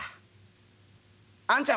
あんちゃん